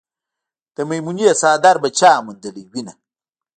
د میمونې څادر به چا موندلې وينه